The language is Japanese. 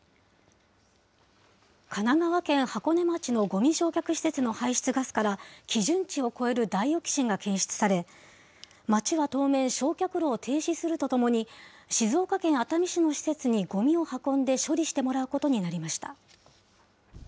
神奈川県箱根町のごみ焼却施設の排出ガスから、基準値を超えるダイオキシンが検出され、町は当面、焼却炉を停止するとともに、静岡県熱海市の施設にごみを運んで処理してもらうことになりました。